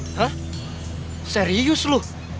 hah serius lu